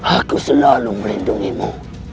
aku selalu merendungimu